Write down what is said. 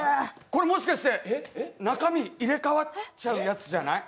これ、もしかして、中身、入れ替わっちゃうやつじゃない？